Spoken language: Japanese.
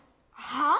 はあ？